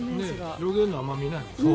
広げるのはあまり見ないよね。